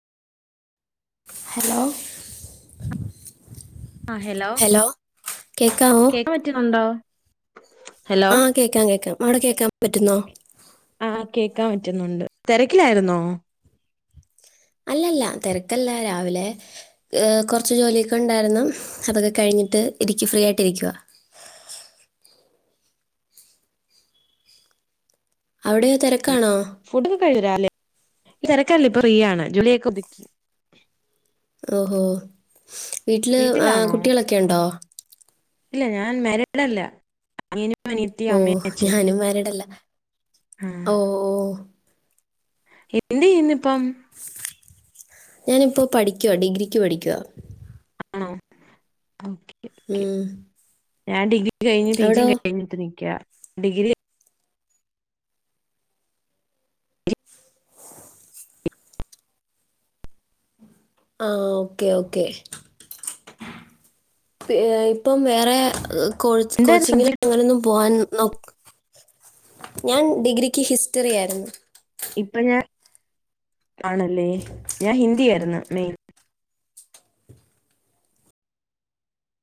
Hello ആ hello കേക്കാമോ കേക്കാൻ പറ്റണുണ്ടോ? ആ കേൾക്കാം കേൾക്കാം അവിടെ കേക്കാൻ പറ്റുന്നോ? ആ കേക്കാൻ പറ്റുന്നുണ്ട്. തിരക്കിലായിരുന്നോ? അല്ലല്ല തിരക്കല്ല. രാവിലെ കുറച്ചു ജോലിയൊക്കെ ഉണ്ടായിരുന്നു. അതൊക്കെ കഴിഞ്ഞ എന്നിട്ട് എനിക്ക് ഫ്രീ ആയിട്ട് ഇരിക്കുവ. അവിടെയോ തിരക്കാണോ? ഇപ്പം തിരക്കല്ല. ഇപ്പൊ ഫ്രീയാണ് ജോലിയൊക്കെ ഒതുക്കി. ഓ ഓ വീട്ടില് വീട്ടിലാണോ കുട്ടികളൊക്കെ ഉണ്ടോ? ഇല്ല ഞാൻ മാരീഡല്ല. ഓ ഞാനും മാരീഡല്ല. ആഹ് ഓ ഓ എന്ത് ചെയ്യുന്നിപ്പം? ഞാനിപ്പോ പഠിക്കുക. ഡിഗ്രിക്ക് പഠിക്കുക. ആണോ ഓക്കെ. ഓക്കെ ഉം ഞാൻ ഡിഗ്രി കഴിഞ്ഞു. പി. ജിയും കഴിഞ്ഞിട്ട് നിക്ക. ഡിഗ്രി ആ ഓക്കെ ഓക്കേ. ഇപ്പം വേറെ കോ എന്തായിരുന്നു കോച്ചിങ്ങിൽ സബ്ജക്ട് അങ്ങനെൊന്നും പോകൻ നോ ഞാൻ ഡിഗ്രിക്ക് ഹിസ്റ്ററി ആയിരുന്നു ഇപ്പൊ ഞാൻ കാണല്ലേ ഞാൻ ഹിന്ദി ആയിരുന്നു മെയിൻ